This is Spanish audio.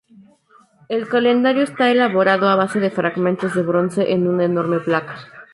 El calendario está elaborado a base de fragmentos de bronce en una enorme placa.